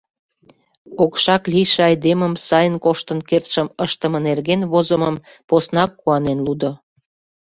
Окшак лийше айдемым сайын коштын кертшым ыштыме нерген возымым поснак куанен лудо.